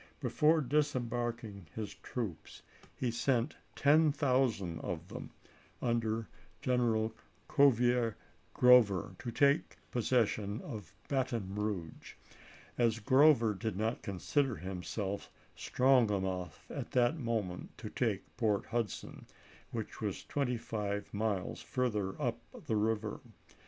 Before disembarking his troops, he sent 10,000 of them, under General Cuvier Grover, to take possession of Baton Eouge, as Grover did not consider himself strong enough at the moment to take Port Hudson, which was twenty five miles further up the river.